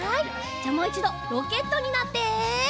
じゃもう１どロケットになって。